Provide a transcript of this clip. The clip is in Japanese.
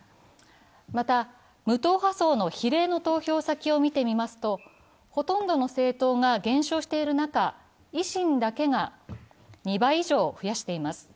また無党派層の比例の投票先を見てみますと、ほとんどの政党が減少している中、維新だけが２倍以上増やしています。